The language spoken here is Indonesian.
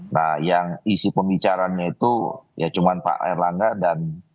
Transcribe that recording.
nah yang isi pembicaranya itu ya cuma pak erlangga dan